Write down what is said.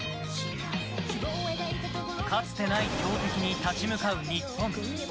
かつてない強敵に立ち向かう日本。